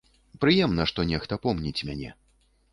Прыемна, што нехта помніць мяне.